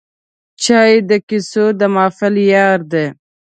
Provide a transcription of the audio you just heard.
چای د کیسو د محفل یار دی